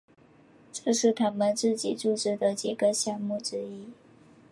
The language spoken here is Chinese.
这是他们自己注资的几个项目之一。